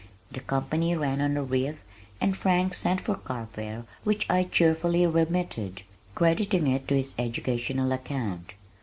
The company ran on a reef and Frank sent for carfare which I cheerfully remitted, crediting it to his educational account.